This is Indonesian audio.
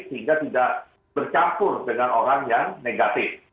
sehingga tidak bercampur dengan orang yang negatif